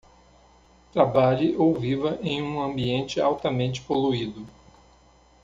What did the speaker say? Trabalhe ou viva em um ambiente altamente poluído